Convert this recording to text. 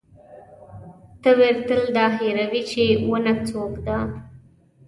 تبر تل دا هېروي چې ونه څوک ده.